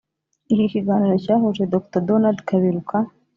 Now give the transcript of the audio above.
Iki kiganiro cyahuje Dr Donald Kaberuka